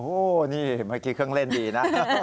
โอ้โหนี่เมื่อกี้เครื่องเล่นดีนะ